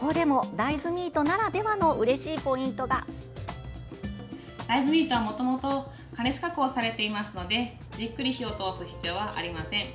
大豆ミートは、もともと加熱加工されていますのでじっくり火を通す必要はありません。